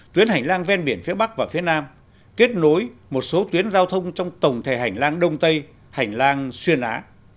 tuyến hành lang ven biển phía bắc và phía nam kết nối một số tuyến giao thông trong tổng thể hành lang đông tây hành lang xuyên á